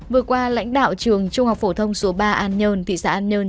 vừa qua lãnh đạo trường trung học phổ thông số ba an nhơn thị xã an nhơn